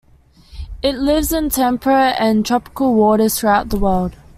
It lives in temperate and tropical waters throughout the world.